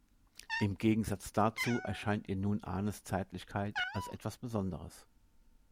Im Gegensatz dazu erscheint ihr nun Arnes Zärtlichkeit als etwas Besonderes.